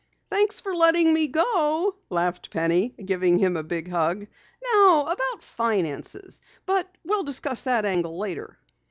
"Thanks for letting me go," laughed Penny, giving him a big hug. "Now about finances but we'll discuss that angle later."